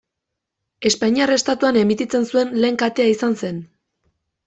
Espainiar estatuan emititzen zuen lehen katea izan zen.